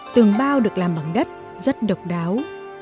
tường bao được làm bằng đất rất độc đáo